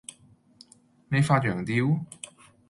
你發羊吊?